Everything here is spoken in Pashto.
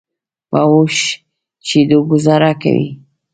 په اوښ شیدو ګوزاره کوي.